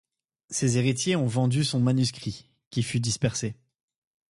Ses héritiers ont vendu son manuscrit, qui fut dispersé.